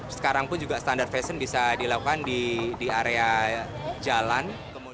sekarang pun juga standar fashion bisa dilakukan di area jalan